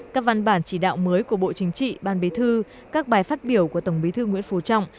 các văn bản chỉ đạo mới của bộ chính trị ban bí thư các bài phát biểu của tổng bí thư nguyễn phú trọng